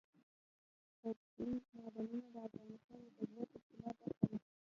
اوبزین معدنونه د افغانستان د طبیعت د ښکلا برخه ده.